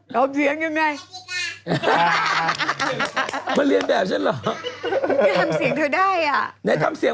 ทำเสียงยังไงมาเรียนแบบฉันเหรอไม่ได้ทำเสียงเธอได้อ่ะไหนทำเสียง